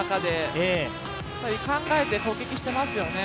考えて攻撃していますよね。